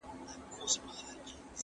سردرد د غاړې او اوږو درد سره تړاو لري.